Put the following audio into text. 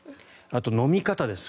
あと、飲み方です。